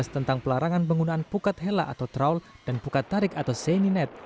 tentang pelarangan penggunaan pukat hela atau trawl dan pukat tarik atau seni net